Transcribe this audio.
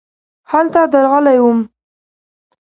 هلته درغلې وم .